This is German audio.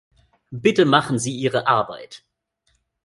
Bitte machen Sie Ihre Arbeit!